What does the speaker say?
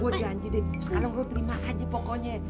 gue janji deh sekarang lo terima aja pokoknya